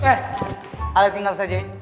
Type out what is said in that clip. eh ale tinggal saja